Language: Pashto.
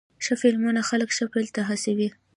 ښه فلمونه خلک ښه پیل ته هڅوې.